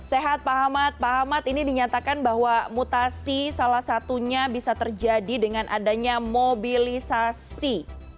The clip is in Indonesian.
sehat pak ahmad pak ahmad ini dinyatakan bahwa mutasi salah satunya bisa terjadi dengan adanya mobilisasi